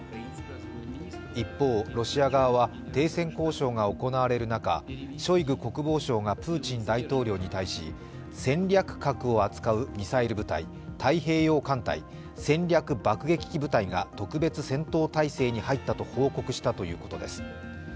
一方、ロシア側は停戦交渉が行われる中ショイグ国防相がプーチン大統領に対し戦略核を扱うミサイル部隊、太平洋艦隊、戦略爆撃機部隊が特別戦闘態勢に入ったと報告したということです。